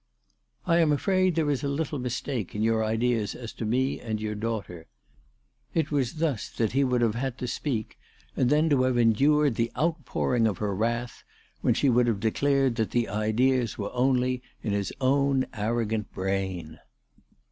" I am afraid there is a little mistake in your ideas as to me and your daughter." It was thus that he would have had to speak, and then to have endured the outpouring of her wrath, when she would have declared that the ideas were only in his own arrogant 374 ALICE DTJGDALE. brain.